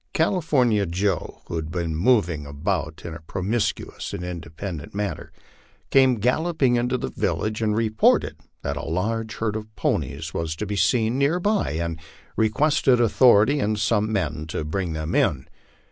California Joe, who had been moving about in a promiscuous and independent manner, came galloping into the village, and reported that a large herd of ponies was to be seen near by, and requested authority and some men to bring them in.